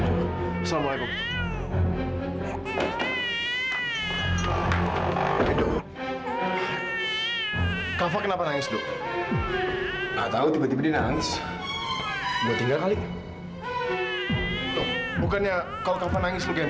dok gua udah baik sama lu tapi ini balsam untuk kebaikan gua